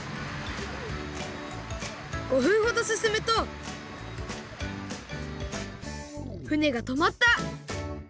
５分ほどすすむと船がとまった！